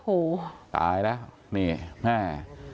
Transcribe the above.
โอ้โหตายแล้วนี่แม่